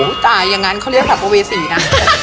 อุ้ยตายอย่างนั้นเขาเรียกหักโบเวสี่นะ